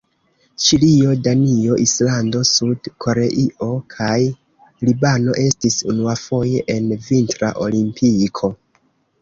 Ĉilio, Danio, Islando, Sud-Koreio kaj Libano estis unuafoje en Vintra Olimpiko.